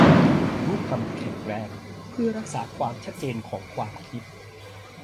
รูปคำที่แข็งแรงเพื่อรักษาความชัดเจนของความคิด